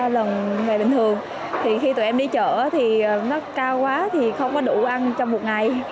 ba lần về bình thường khi tụi em đi chợ thì nó cao quá không có đủ ăn trong một ngày